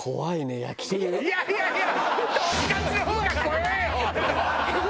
いやいやいや！